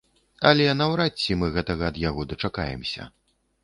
Але наўрад ці мы гэтага ад яго дачакаемся.